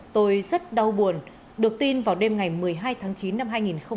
tôi rất đau buồn được tin vào đêm ngày một mươi hai tháng chín năm hai nghìn một mươi ba